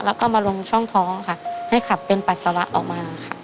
แล้วก็มาลงช่องท้องค่ะให้ขับเป็นปัสสาวะออกมาค่ะ